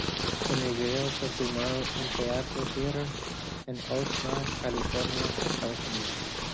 En el video fue filmado en Teatro theater en Oxnard, California, Estados Unidos.